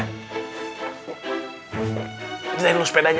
kita yang lulus pedanya